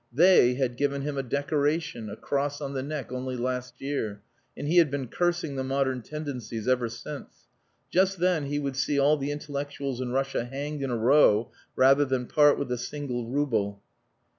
"They" had given him a decoration, a cross on the neck only last year, and he had been cursing the modern tendencies ever since. Just then he would see all the intellectuals in Russia hanged in a row rather than part with a single rouble.